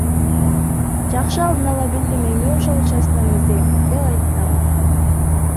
Жакшы алдын ала билдим, эми ошол участканы издейм, — деп айтты ал.